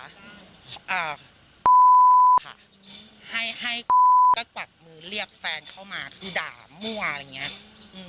อ่าค่ะให้ให้ก็กวักมือเรียกแฟนเข้ามาคือด่ามั่วอะไรอย่างเงี้ยอืม